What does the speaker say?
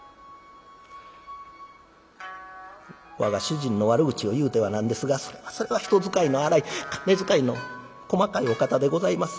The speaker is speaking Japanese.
我が主人の悪口を言うてはなんですがそれはそれは人使いの荒い金遣いの細かいお方でございます。